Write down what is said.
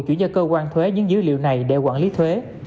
chủ nhờ cơ quan thuế những dữ liệu này để quản lý thuế